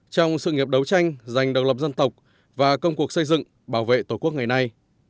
trong sự nghiệp đấu tranh giành độc lập dân tộc và công cuộc xây dựng bảo vệ tổ quốc ngày nay